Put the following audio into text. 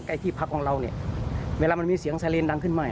ใกล้ที่พักของเราเวลามันมีเสียงไซเรนดังขึ้นมา